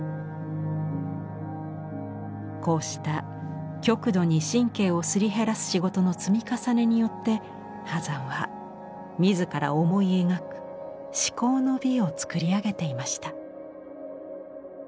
こうした極度に神経をすり減らす仕事の積み重ねによって波山は自ら思い描く至高の美を作り上げていました。